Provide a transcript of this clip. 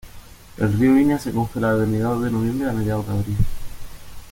El río Inia se congela desde mediados de de noviembre a mediados de abril.